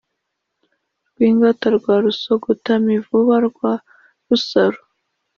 rwingata rwa rusogota-mivuba rwa rusaro,